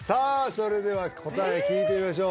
それでは答え聞いてみましょう